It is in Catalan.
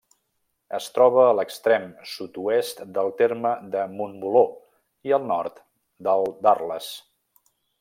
Es troba a l'extrem sud-oest del terme de Montboló i al nord del d'Arles.